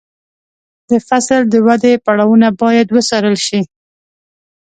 د فصل د ودې پړاوونه باید وڅارل شي.